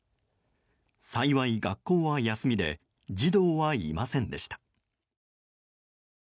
幸い、学校は休みで児童はいませんでした。